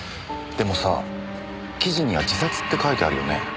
でもさ記事には自殺って書いてあるよね。